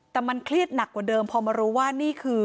แต่มันเครียดหนักกว่าเดิมพอมารู้ว่านี่คือ